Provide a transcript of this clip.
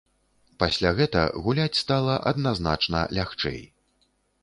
Пасля гэта гуляць стала адназначна лягчэй.